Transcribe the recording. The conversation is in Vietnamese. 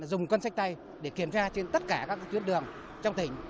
dùng cân sách tay để kiểm tra trên tất cả các tuyến đường trong tỉnh